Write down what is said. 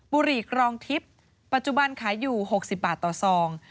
บุรีกรองทิพย์ปัจจุบันขายอยู่๖๐บาทต่อซอง